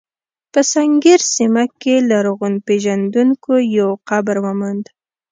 په سنګیر سیمه کې لرغونپېژندونکو یو قبر وموند.